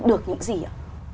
được những gì ạ